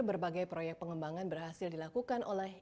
berbagai proyek pengembangan berhasil dilakukan oleh